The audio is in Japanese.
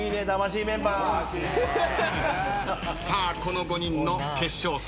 さあこの５人の決勝戦。